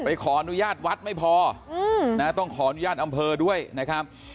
ขออนุญาตวัดไม่พอต้องขออนุญาตอำเภอด้วยนะครับ